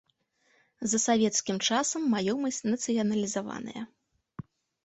За савецкім часам маёмасць нацыяналізаваная.